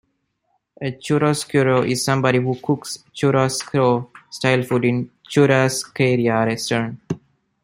A "churrasqueiro" is somebody who cooks "churrasco" style food in a "churrascaria" restaurant.